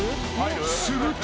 ［すると］